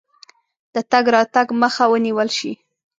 د تګ راتګ مخه ونیوله شي.